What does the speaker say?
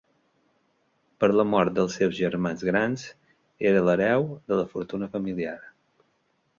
Per la mort dels seus germans grans, era l'hereu de la fortuna familiar.